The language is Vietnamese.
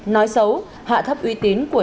nói xấu hạ thấp uy tín của